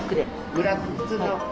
ブラック普通の？